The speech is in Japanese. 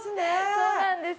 そうなんです。